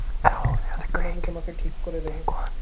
এখন আমি তোমাকে ঠিক করে দেবো।